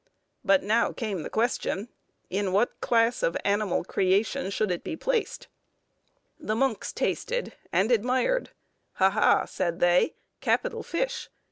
But now came the question, in what class of the animal creation should it be placed? The monks tasted and admired: "Ha! ha!" said they, "capital fish!"